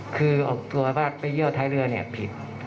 คือออกตัวไปเยี่ยวท้ายเรือผิด